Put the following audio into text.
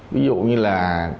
ví dụ như là